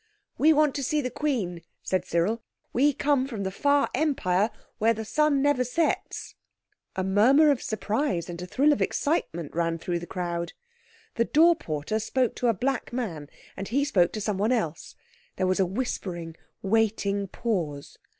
"We want to see the Queen," said Cyril; "we come from the far Empire where the sun never sets!" A murmur of surprise and a thrill of excitement ran through the crowd. The door porter spoke to a black man, he spoke to someone else. There was a whispering, waiting pause.